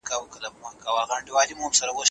اوس هم په یوتیوب